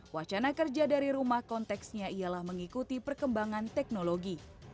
wacana kerja dari rumah konteksnya ialah mengikuti perkembangan teknologi